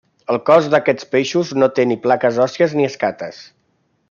El cos d'aquests peixos no té ni plaques òssies ni escates.